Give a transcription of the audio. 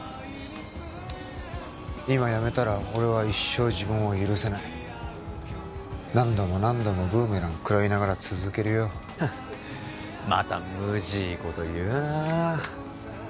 今辞めたら俺は一生自分を許せない何度も何度もブーメラン食らいながら続けるよまたむじいこと言うなあ